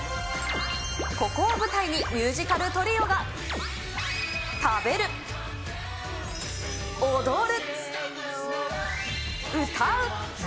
ここを舞台に、ミュージカルトリオが、食べる、踊る、歌う。